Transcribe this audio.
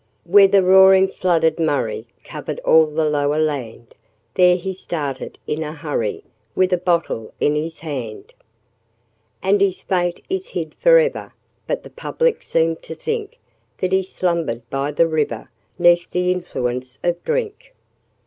Where the roaring flooded Murray Covered all the lower land, There he started in a hurry, With a bottle in his hand. And his fate is hid for ever, But the public seem to think That he slumbered by the river, 'Neath the influence of drink.